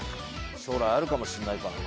将来あるかもしれないからな。